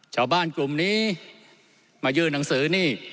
ชาวบ้านกลุ่มนี้มายื่นหนังสือนี่